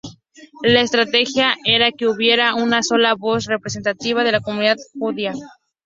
La estrategia era que hubiera una sola voz representativa de la comunidad judía.